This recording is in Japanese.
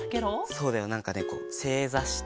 そうだよなんかねせいざして。